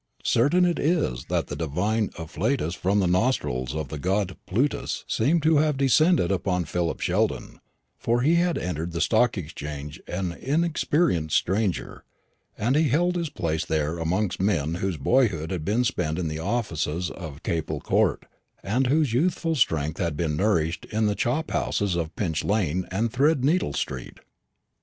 Certain it is that the divine afflatus from the nostrils of the god Plutus seemed to have descended upon Philip Sheldon; for he had entered the Stock Exchange an inexperienced stranger, and he held his place there amongst men whose boyhood had been spent in the offices of Capel court, and whose youthful strength had been nourished in the chop houses of Pinch lane and Thread needle street.